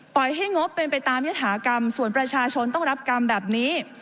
ปล่อยให้งบเป็นไปตามยฐากรรมส่วนประชาชนต้องรับกรรมแบบนี้